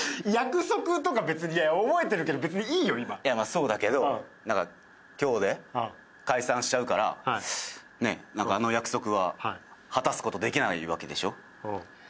そうだけど何か今日で解散しちゃうからあの約束は果たすことできないわけでしょ？